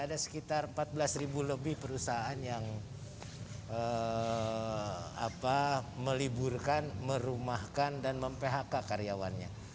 ada sekitar empat belas ribu lebih perusahaan yang meliburkan merumahkan dan mem phk karyawannya